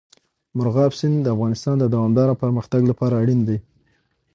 مورغاب سیند د افغانستان د دوامداره پرمختګ لپاره اړین دي.